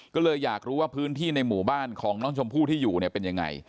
ก็เลยอยากรู้ว่าพื้นที่ในหมู่บ้านของน้องชมพู่ที่อยู่เนี่ยเป็นยังไง